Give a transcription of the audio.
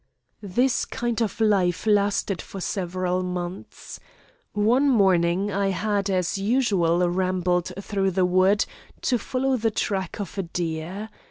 "This kind of life lasted for several months. One morning I had, as usual rambled through the wood, to follow the track of a deer.